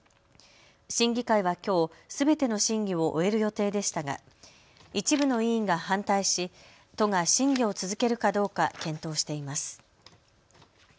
審議会はきょうすべての審議を終える予定でしたが、一部の委員が反対し都が審議を続けるかどうか検討しています。